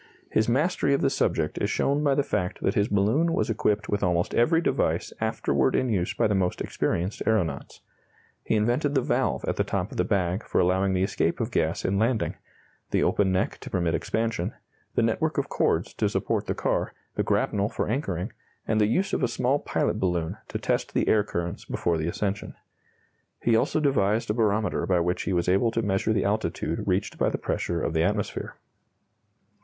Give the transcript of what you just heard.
His mastery of the subject is shown by the fact that his balloon was equipped with almost every device afterward in use by the most experienced aeronauts. He invented the valve at the top of the bag for allowing the escape of gas in landing, the open neck to permit expansion, the network of cords to support the car, the grapnel for anchoring, and the use of a small pilot balloon to test the air currents before the ascension. He also devised a barometer by which he was able to measure the altitude reached by the pressure of the atmosphere.